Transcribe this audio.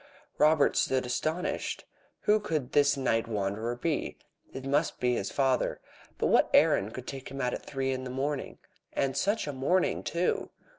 Robert stood astonished. Who could this night wanderer be? It must be his father. But what errand could take him out at three in the morning? And such a morning, too!